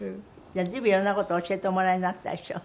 じゃあ随分色んな事教えておもらいになったでしょ？